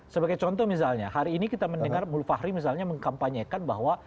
sebagai contoh misalnya hari ini kita mendengar mulfahri misalnya mengkampanyekan bahwa